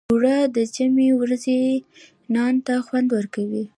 اوړه د جمعې ورځې نان ته خوند ورکوي